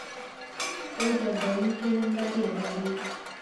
څو دردونکې نندارې غواړي